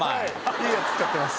いいやつ使ってます。